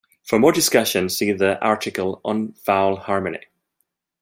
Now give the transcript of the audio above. For more discussion, see the article on vowel harmony.